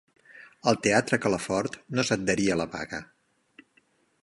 El Teatre Calafort no s'adherí a la vaga.